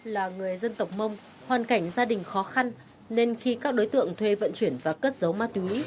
là người dân tộc mông hoàn cảnh gia đình khó khăn nên khi các đối tượng thuê vận chuyển và cất giấu ma túy